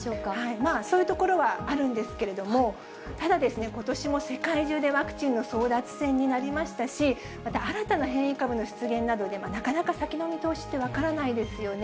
まあ、そういうところはあるんですけれども、ただ、ことしも世界中でワクチンの争奪戦になりましたし、また新たな変異株の出現などで、なかなか先の見通しって分からないですよね。